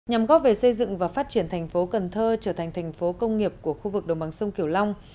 nhằm góp về xây dựng và phát triển thành phố cần thơ trở thành thành phố công nghiệp của khu vực đồng bằng sông kiểu long